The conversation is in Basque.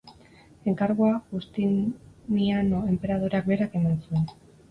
Enkargua, Justiniano enperadoreak berak eman zuen.